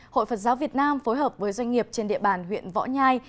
hội phật giáo việt nam phối hợp với doanh nghiệp trên địa bàn huyện võ nhai